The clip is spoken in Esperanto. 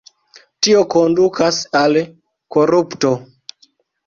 Tio kondukas al korupto.